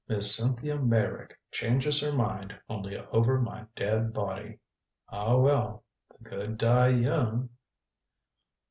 "'Miss Cynthia Meyrick changes her mind only over my dead body.' Ah, well the good die young."